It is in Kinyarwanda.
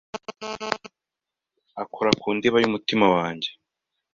akora kundiba y’umutima wanjye